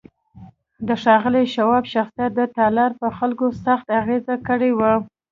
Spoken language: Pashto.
د ښاغلي شواب شخصيت د تالار پر خلکو سخت اغېز کړی و.